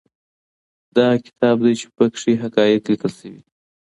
دا هغه کتاب دی چي په کي حقایق لیکل سوي دي.